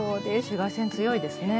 紫外線強いですね。